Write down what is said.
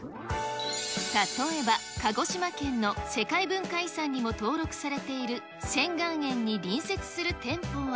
例えば、鹿児島県の世界文化遺産にも登録されている仙厳園に隣接する店舗は、